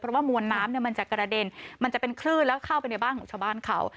เพราะว่ามวลน้ำเนี่ยมันจะกระเด็นมันจะเป็นคลื่นแล้วเข้าไปในบ้านของชาวบ้านเขา